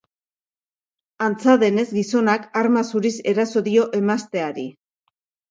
Antza denez, gizonak arma zuriz eraso dio emazteari.